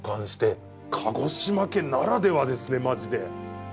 鹿児島県ならではですねマジで。